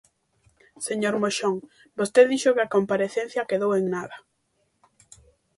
Señor Moxón, vostede dixo que a comparecencia quedou en nada.